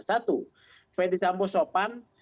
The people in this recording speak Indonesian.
satu fethi sambo sopan